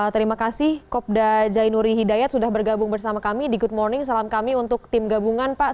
terima kasih kopda jainuri hidayat sudah bergabung bersama kami di good morning salam kami untuk tim gabungan pak